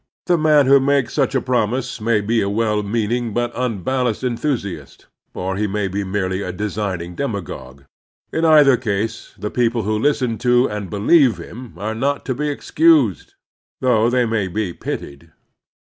The man who makes such a promise ntiay be a well meaning but unbalanced enthusiast, or he may be merely a designing demagogue. In either case the people who listen to and believe him are not to be excused, though they may be pitied.